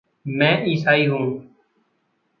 मैं ईसाई हूँ।